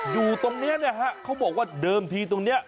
อยู่ตรงนี้นะฮะเขาบอกว่าเดิมทีตรงนี้